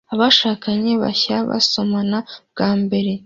abashakanye bashya basomana bwa mbere